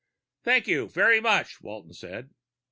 "Thank you very much," Walton said.